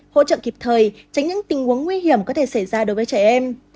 hỗ trợ kịp thời tránh những tình huống nguy hiểm có thể xảy ra đối với trẻ em